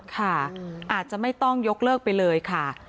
ค่ะอาจจะไม่ต้องยกเลิกไปเลยค่ะ